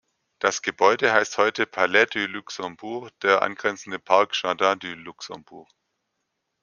Das Gebäude heißt heute Palais du Luxembourg, der angrenzende Park Jardin du Luxembourg.